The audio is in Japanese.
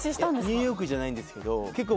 ニューヨークじゃないんですけど結構僕常習犯で